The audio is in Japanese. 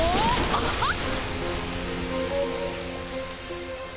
アハッ！